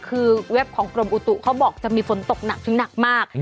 คือเว็บของกรมอุตุเขาบอกจะมีฝนตกหนักถึงหนักมาก